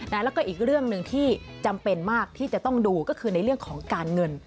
แล้วก็อีกเรื่องหนึ่งที่จำเป็นมากที่จะต้องดูก็คือในเรื่องของการเงิน